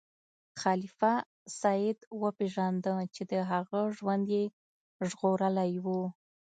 خلیفه سید وپیژنده چې د هغه ژوند یې ژغورلی و.